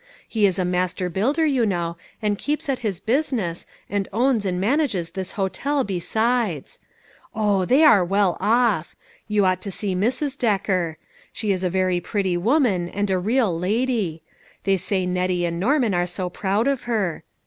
He is a master builder, you know, and keeps at his business, and owns and manages this hotel, besides. Oh ! they are well off ; you ought to see Mi's. Decker. She is a very pretty woman, and a real lady ; they say Nettie and Norman are so proud of her!